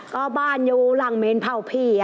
ก็บ้านอยู่หลังเมนเผาพี่